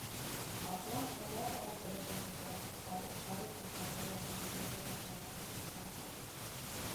Apja egy értelmi fogyatékos gyerekekkel és felnőttekkel foglalkozó intézetben lett pszichiáter.